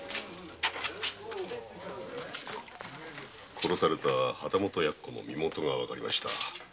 殺された旗本奴の身もとがわかりました。